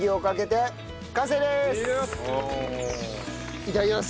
いただきます。